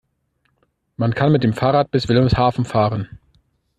Man kann mit dem Fahrrad bis Wilhelmshaven fahren